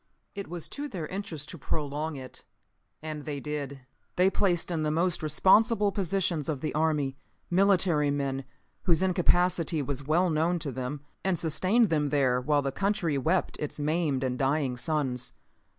It was to their interest to prolong it, and they did. They placed in the most responsible positions of the army, military men whose incapacity was well known to them, and sustained them there while the country wept its maimed and dying sons.